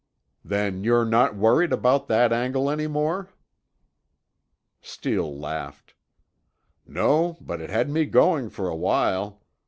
"Then you're not worried about that angle any more?" Steele laughed. "No, but it had me going for a while.